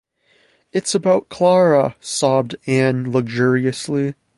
“It’s about Clara,” sobbed Anne luxuriously.